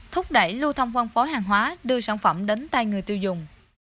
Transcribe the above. thúc đẩy lưu thông phân phối hàng hóa đưa sản phẩm đến tay người tiêu dùng